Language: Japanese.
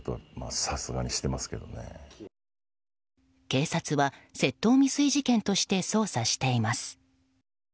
警察は窃盗未遂事件として捜査しています。